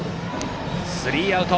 スリーアウト。